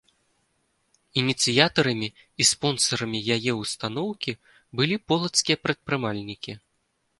Ініцыятарамі і спонсарамі яе ўстаноўкі былі полацкія прадпрымальнікі.